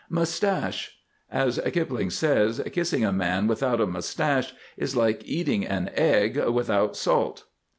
MUSTACHE. As Kipling says: "Kissing a man without a mustache is like eating an egg without salt."